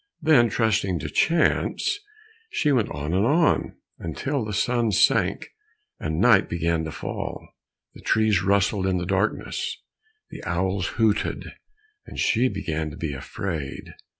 Then trusting to chance, she went on and on, until the sun sank and night began to fall. The trees rustled in the darkness, the owls hooted, and she began to be afraid.